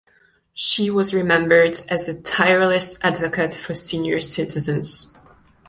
She was remembered as a tireless advocate for senior citizens.